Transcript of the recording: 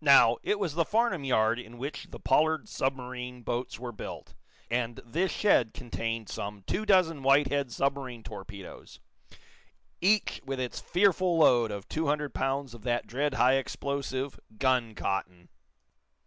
Now, it was the Farnum yard in which the Pollard submarine boats were built, and this shed contained some two dozen Whitehead submarine torpedoes, each with its fearful load of two hundred pounds of that dread high explosive, guncotton.